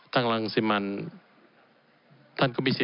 ต่างหลังซิมรรดิ